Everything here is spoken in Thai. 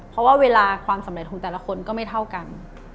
เพราะว่าเวลาความสำเร็จของแต่ละคนก็ไม่เท่ากัน